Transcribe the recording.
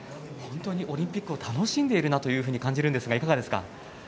本当にオリンピックを楽しんでいるなというふうに感じるんですがいかがですか？